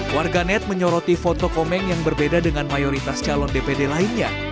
warganet menyoroti foto komeng yang berbeda dengan mayoritas calon dpd lainnya